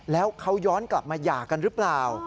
แล้วเขาย้อนกลับมาหย่ากันหรือเปล่า